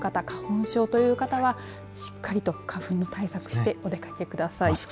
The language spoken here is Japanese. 花粉症という方はしっかりと花粉対策してお出かけください。